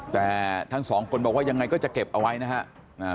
แต่ทั้งสองคนบอกว่ายังไงก็จะเก็บเอาไว้นะครับ